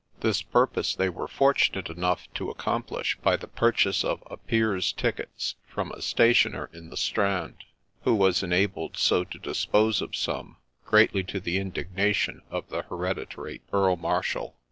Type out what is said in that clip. — This purpose they were fortunate enough to accomplish by the purchase of a peer's tickets, from a stationer in the Strand, who was enabled so to dispose of some, greatly to the indignation of the hereditary Earl Marshal.